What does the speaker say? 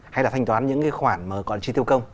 hay là thanh toán những cái khoản mà còn chi tiêu công